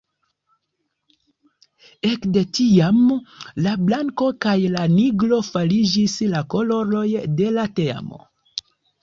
Ekde tiam la blanko kaj la nigro fariĝis la koloroj de la teamo.